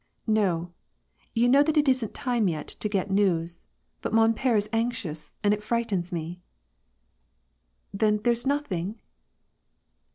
"No, you know that it isn't time yet to get news, but man ptre is anxious, and it frightens me.'* "Then there's nothing